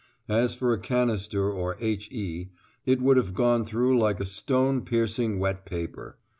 As for a canister or H.E., it would have gone through like a stone piercing wet paper.